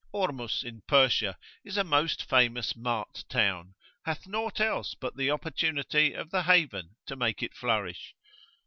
Ormus in Persia is a most famous mart town, hath nought else but the opportunity of the haven to make it flourish.